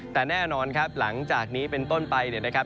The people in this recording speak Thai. แต่แน่นอนครับหลังจากนี้เป็นต้นไปเนี่ยนะครับ